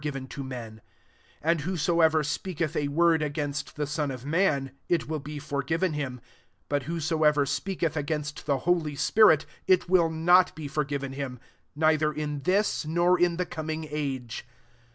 be (brgiyen to men: 32 and whosoever speaketh a word against the Son of man, it will be forgiven him ; but whoso ever speaketh against the holy spirit, it will not be forgiven him, neither in this nor in the coming age.